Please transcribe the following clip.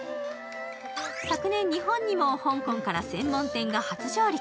昨年、日本にも香港から専門店が初上陸。